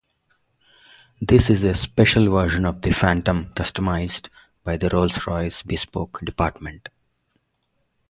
This is a special version of the Phantom customized by the Rolls-Royce Bespoke department.